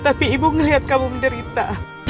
tapi ibu ngelihat kamu menderita